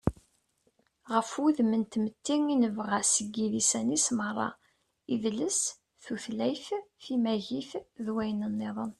ɣef wudem n tmetti i nebɣa seg yidisan-is meṛṛa: idles, tutlayt, timagit, d wayen-nniḍen